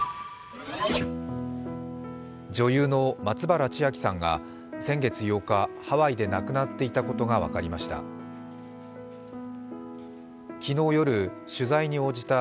女優の松原千明さんが先月８日ハワイで亡くなっていたことが分かりました。